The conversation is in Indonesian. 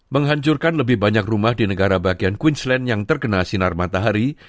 menghancurkan lebih banyak rumah di negara bagian queensland yang terkena sinar matahari